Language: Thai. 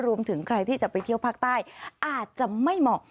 รวมถึงใครที่จะไปเที่ยวภาคใต้อาจจะไม่เหมาะ